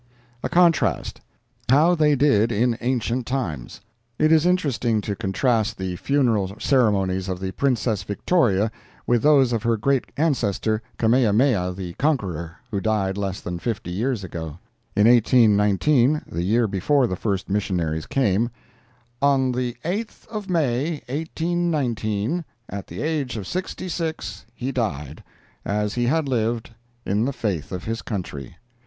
A CONTRAST—HOW THEY DID IN ANCIENT TIMES It is interesting to contrast the funeral ceremonies of the Princess Victoria with those of her great ancestor Kamehameha the Conqueror, who died less than fifty years ago—in 1819, the year before the first missionaries came: "On the 8th of May, 1819, at the age of sixty six, he died, as he had lived, in the faith of his country.